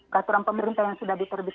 peraturan pemerintah yang sudah diterbitkan